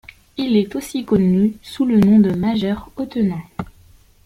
Il est aussi connu sous le nom de Major Otenin.